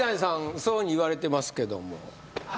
そういうふうに言われてますけどもははは